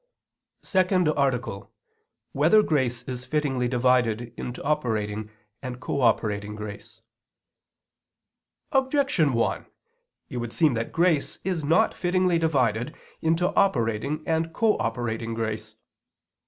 ________________________ SECOND ARTICLE [I II, Q. 111, Art. 2] Whether Grace Is Fittingly Divided into Operating and Cooperating Grace? Objection 1: It would seem that grace is not fittingly divided into operating and cooperating grace.